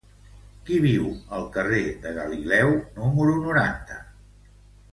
Qui viu al carrer de Galileu número noranta?